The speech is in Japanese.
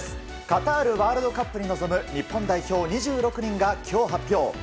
カタールワールドカップに臨む日本代表２６人が今日、発表。